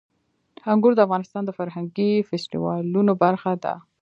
انګور د افغانستان د فرهنګي فستیوالونو برخه ده.